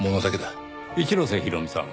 一ノ瀬弘美さん